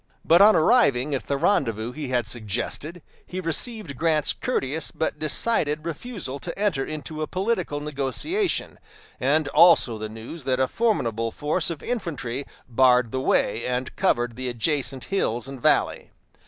But on arriving at the rendezvous he had suggested, he received Grant's courteous but decided refusal to enter into a political negotiation, and also the news that a formidable force of infantry barred the way and covered the adjacent hills and valley.